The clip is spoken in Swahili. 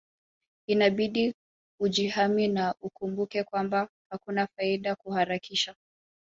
Inabidi ujihami na ukumbuke kwamba hakuna faida kuharakisha